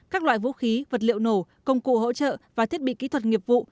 các loại vũ khí vật liệu nổ công cụ hỗ trợ và thiết bị kỹ thuật nghiệp vụ